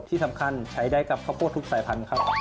ที่สำคัญใช้ได้กับข้าวโพดทุกสายพันธุ์ครับ